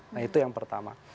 nah itu yang pertama